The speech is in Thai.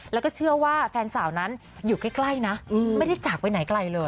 แล้วก็เชื่อว่าแฟนสาวนั้นอยู่ใกล้นะไม่ได้จากไปไหนไกลเลย